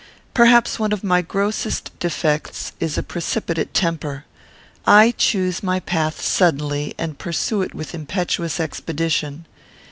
Perhaps one of my grossest defects is a precipitate temper. I choose my path suddenly, and pursue it with impetuous expedition.